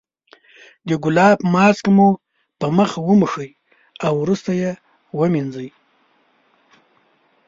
د ګلاب ماسک مو په مخ وموښئ او وروسته یې ومینځئ.